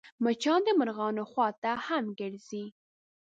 مچان د مرغانو خوا ته هم ګرځي